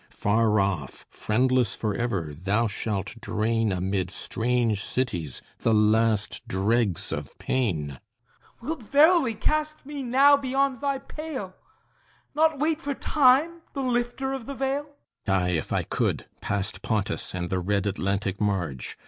Far off, friendless forever, thou shalt drain Amid strange cities the last dregs of pain! HIPPOLYTUS Wilt verily cast me now beyond thy pale, Not wait for Time, the lifter of the veil? THESEUS Aye, if I could, past Pontus, and the red Atlantic marge!